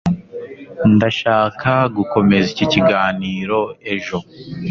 ndashaka gukomeza iki kiganiro ejo